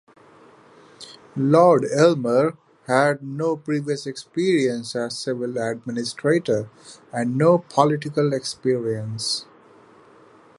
Lord Aylmer had no previous experience as a civil administrator and no political experience.